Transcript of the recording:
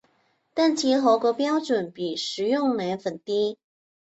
但其合格标准比食用奶粉低。